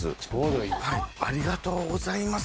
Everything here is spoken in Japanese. ありがとうございます。